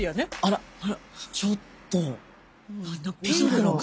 ちょっと！